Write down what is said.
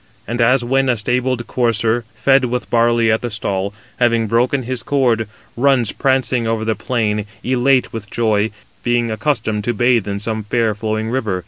And as 250 when a stabled courser, fed with barley at the stall, having broken his cord, runs prancing over the plain, elate with joy, being accustomed to bathe in some fair flowing river.